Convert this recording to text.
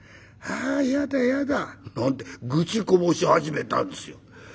あやだやだ」なんて愚痴こぼし始めたんですよ。